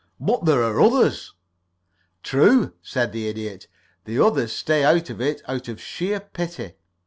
"But there are others." "True," said the Idiot. "The others stay out of it out of sheer pity.